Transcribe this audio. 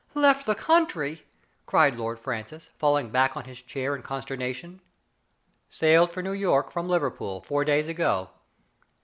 " Left the country !" cried Lord Francis, fall ing back on his chair in consternation. Sailed for New York from Liverpool four days ago.